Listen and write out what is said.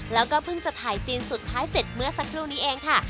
แล้วก็เพิ่งจะถ่ายซีนสุดท้ายเสร็จเมื่อสักครู่นี้เองค่ะ